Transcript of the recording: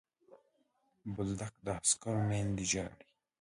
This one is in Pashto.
بولدک د عسکرو میندې ژاړي.